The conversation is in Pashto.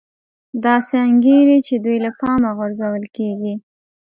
داسې انګېري چې دوی له پامه غورځول کېږي